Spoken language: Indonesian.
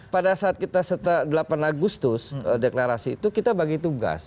pada saat kita setelah delapan agustus deklarasi itu kita bagi tugas